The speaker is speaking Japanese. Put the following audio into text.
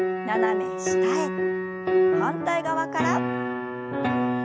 反対側から。